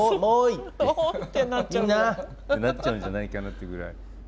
「おい」って「みんな！」ってなっちゃうんじゃないかなっていうぐらい。